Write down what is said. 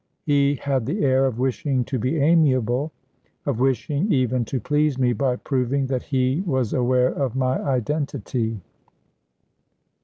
He had the air of wishing to be amiable, of wishing, even, to please me by proving that he was aware of my identity.